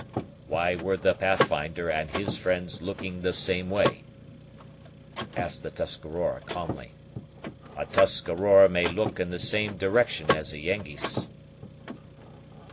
"Why were the Pathfinder and his friends looking the same way?" asked the Tuscarora calmly. "A Tuscarora may look in the same direction as a Yengeese."